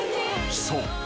［そう。